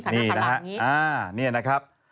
นี่นะฮะนี่นะครับ